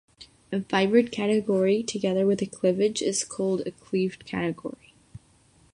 A fibred category together with a cleavage is called a "cleaved category".